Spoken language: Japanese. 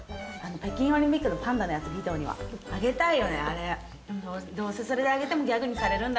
北京オリンピックのパンダのやつあげたいじゃん。